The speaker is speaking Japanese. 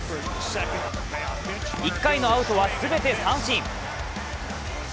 １回のアウトは全て三振。